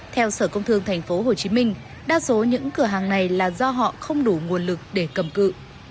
theo sở công thương tp hcm đa số những cửa hàng này là do họ không đủ nguồn lực để cầm cự